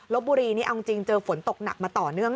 บุรีนี่เอาจริงเจอฝนตกหนักมาต่อเนื่อง